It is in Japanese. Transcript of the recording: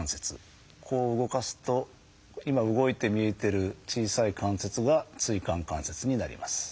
こう動かすと今動いて見えてる小さい関節が椎間関節になります。